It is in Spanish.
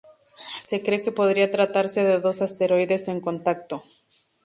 Se cree que podría tratarse de dos asteroides en contacto.